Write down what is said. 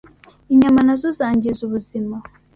Inyama nazo zangiza ubuzima